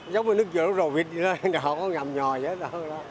giống như nước vừa đó rồi vịt lên nó ngầm nhòi vậy đó